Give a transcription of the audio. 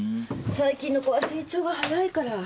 最近の子は成長が早いから。